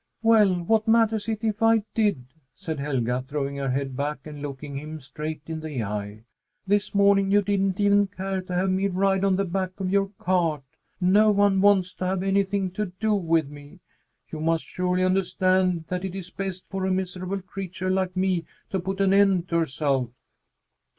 "Well, what matters it if I did?" said Helga, throwing her head back and looking him straight in the eye. "This morning you didn't even care to have me ride on the back of your cart. No one wants to have anything to do with me! You must surely understand that it is best for a miserable creature like me to put an end to herself."